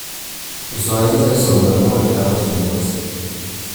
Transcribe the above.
Usó a veces el pseudónimo de Carlos Mendoza.